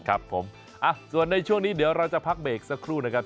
ครับผมส่วนในช่วงนี้เดี๋ยวเราจะพักเบรกสักครู่นะครับ